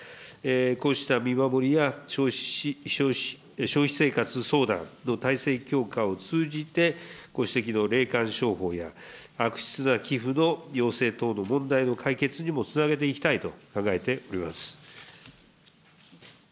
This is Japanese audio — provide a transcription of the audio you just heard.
こうした見守りや消費生活相談の体制強化を通じて、ご指摘の霊感商法や、悪質な寄付の要請等の問題の解決にもつなげていきたいと考えております。